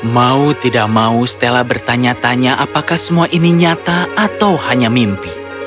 mau tidak mau stella bertanya tanya apakah semua ini nyata atau hanya mimpi